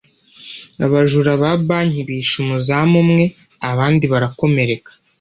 abajura ba banki bishe umuzamu umwe abandi barakomereka